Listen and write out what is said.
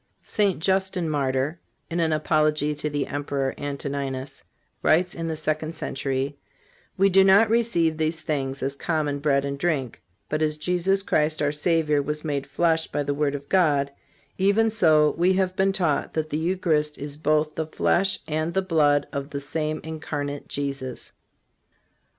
St. Justin Martyr, in an apology to the Emperor Antoninus, writes in the second century: "We do not receive these things as common bread and drink; but as Jesus Christ our Savior was made flesh by the word of God, even so we have been taught that the Eucharist is both the flesh and the blood of the same incarnate Jesus."